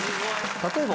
例えば。